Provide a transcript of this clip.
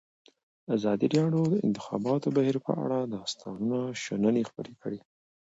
ازادي راډیو د د انتخاباتو بهیر په اړه د استادانو شننې خپرې کړي.